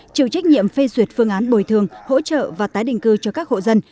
chịu trách nhiệm phê duyệt phương án bồi thường hỗ trợ và tái định cư cho các hộ dân